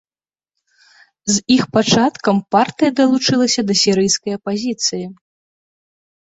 З іх пачаткам партыя далучылася да сірыйскай апазіцыі.